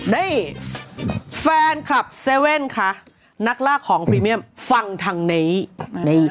ได้แฟนคลับเซเว่นคะนักลากของพรีเมียมฟังทางนี้ใน